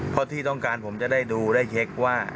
เพราะที่ต้องการผมจะได้ดูได้เช็คว่า